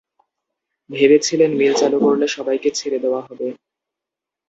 ভেবেছিলেন মিল চালু করলে সবাইকে ছেড়ে দেওয়া হবে।